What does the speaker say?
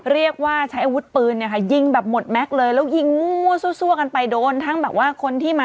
เรียกว่าใช้อาวุธปืนนะคะยิงแบบหมดแม็คเลยแล้วยิงสแตรั่งไปโดนทั้งแบบว่าคนที่มา